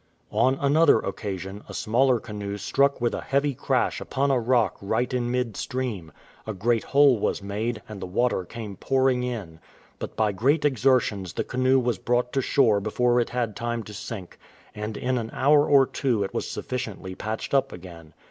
On another occasion, a smaller canoe struck with a heavy crash upon a rock right in mid stream. A great hole was made, and the water came pouring in. But by great exertions the canoe was brought to shore before it had time to sink; and in an hour or two it was sufficiently patched up again.